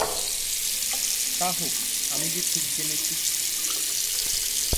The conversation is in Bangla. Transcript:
তা হোক, আমি যে ঠিক জেনেছি।